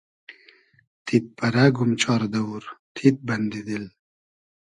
تید پئرئگوم چار دئوور تید, بئندی دیل